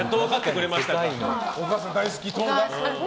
お母さん大好き党がね。